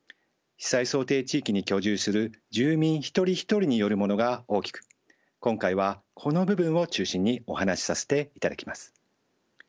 被災想定地域に居住する住民一人一人によるものが大きく今回はこの部分を中心にお話しさせていただきます。